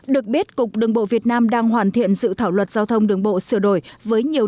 được biết cục đường bộ việt nam đang hoàn thiện dự thảo luật giao thông đường bộ sửa đổi với nhiều